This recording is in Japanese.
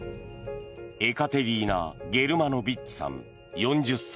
エカテリーナ・ゲルマノビッチさん、４０歳。